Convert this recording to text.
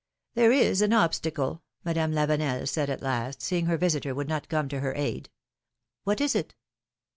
There is an obstacle/' Madame Lavenel said at last, seeing her visitor would not come to her aid. What is it?"